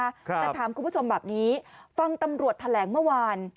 แต่ถามคุณผู้ชมแบบนี้ฟังตำรวจแถลงเมื่อวาน